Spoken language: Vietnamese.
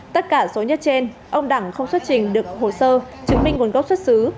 tất cả số nhất trên ông đẳng không xuất trình được hồ sơ chứng minh nguồn gốc xuất xứ